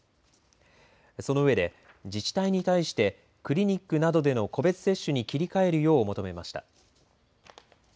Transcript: そのうえで自治体に対してクリニックなどでの個別接種に切り替えるよう求めました。